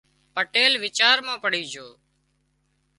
پٽيل ويچار مان پڙي جھو